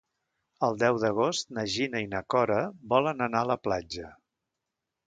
El deu d'agost na Gina i na Cora volen anar a la platja.